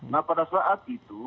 nah pada saat itu